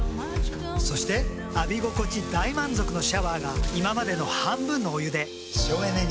そして浴び心地大満足のシャワーが今までの半分のお湯で省エネに。